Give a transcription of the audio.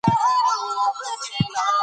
افغانستان له بېلابېلو ډوله آب وهوا څخه ډک دی.